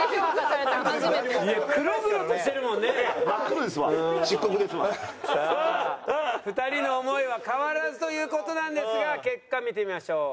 さあ２人の想いは変わらずという事なんですが結果見てみましょう。